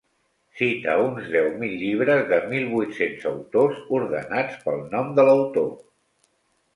Cita uns deu mil llibres de mil vuit-cents autors, ordenats pel nom de l'autor.